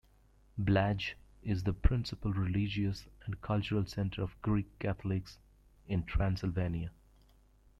Blaj is the principal religious and cultural center of Greek Catholics in Transylvania.